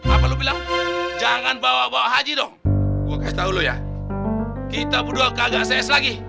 apa lu bilang jangan bawa bawa haji dong gue kasih tau lo ya kita berdua kagak s lagi